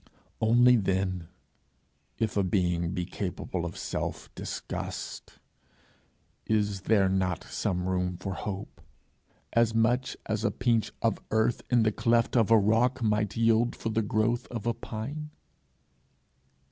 Only, then, if a being be capable of self disgust, is there not some room for hope as much as a pinch of earth in the cleft of a rock might yield for the growth of a pine?